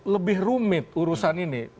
lebih rumit urusan ini